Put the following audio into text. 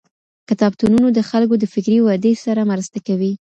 کتابتونونه د خلګو د فکري ودې سره مرسته کوي.